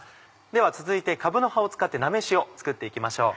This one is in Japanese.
では続いてかぶの葉を使って菜めしを作って行きましょう。